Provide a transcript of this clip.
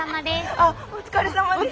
あっお疲れさまです。